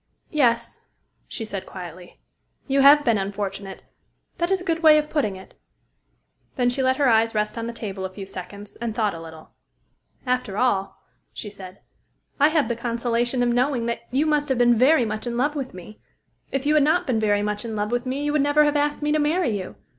"Yes," she said quietly: "you have been unfortunate. That is a good way of putting it." Then she let her eyes rest on the table a few seconds, and thought a little. "After all," she said, "I have the consolation of knowing that you must have been very much in love with me. If you had not been very much in love with me, you would never have asked me to marry you.